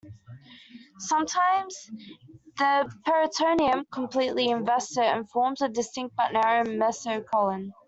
Sometimes the peritoneum completely invests it and forms a distinct but narrow mesocolon.